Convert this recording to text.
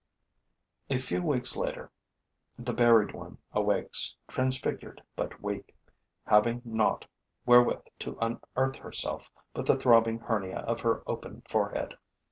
A few weeks later, the buried one awakes, transfigured but weak, having naught wherewith to unearth herself but the throbbing hernia of her open forehead.